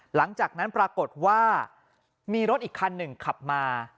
หลังจากนั้นปรากฏว่ามีรถอีกคันหนึ่งขับมา